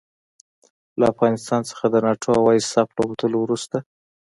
له افغانستان څخه د ناټو او ایساف له وتلو وروسته.